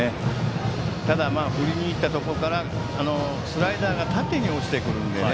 ただ振りにいったところからスライダーが縦に落ちてくるので。